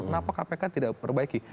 kenapa kpk tidak perbaiki